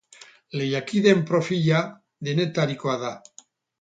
Lehiakideen profila denetarikoa da.